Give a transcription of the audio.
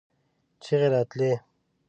چيغې راتلې.